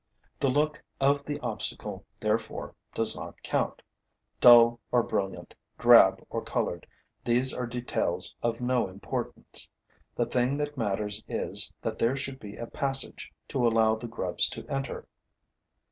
The look of the obstacle, therefore, does not count; dull or brilliant, drab or colored: these are details of no importance; the thing that matters is that there should be a passage to allow the grubs to enter.